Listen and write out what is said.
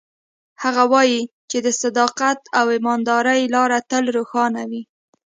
هغه وایي چې د صداقت او امانتدارۍ لار تل روښانه وي